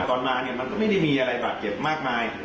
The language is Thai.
ตอนมาเนี่ยมันก็ไม่ได้มีอะไรบาดเจ็บมากมาย